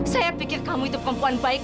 saya pikir kamu itu perempuan baik